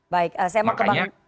baik saya mau ke bang